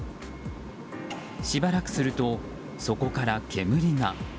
しばらくすると、そこから煙が。